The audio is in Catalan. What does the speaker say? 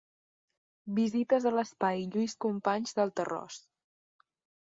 Visites a l'Espai Lluís Companys del Tarròs.